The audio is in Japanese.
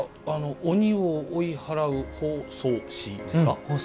鬼を追い払う方相氏ですか。